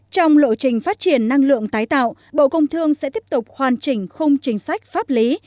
trong lộ trình phát triển năng lượng tái tạo bộ công thương sẽ tiếp tục hoàn chỉnh khung chính sách pháp lý